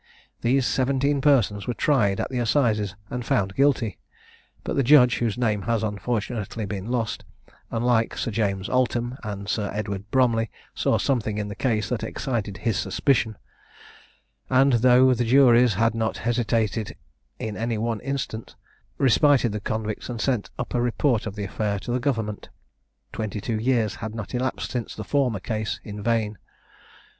These seventeen persons were tried at the assizes and found guilty; but the judge, whose name has unfortunately been lost, unlike Sir James Altham and Sir Edward Bromley, saw something in the case that excited his suspicion, and, though the juries had not hesitated in any one instance, respited the convicts, and sent up a report of the affair to the government. Twenty two years had not elapsed since the former case, in vain.